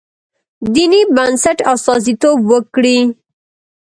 دیني بنسټ استازیتوب وکړي.